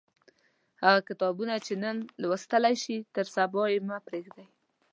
هغه کتابونه چې نن لوستلای شئ تر سبا یې مه پریږدئ.